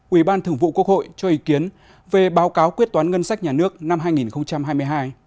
ủy ban thường vụ quốc hội cho ý kiến về báo cáo quyết toán ngân sách nhà nước năm hai nghìn hai mươi hai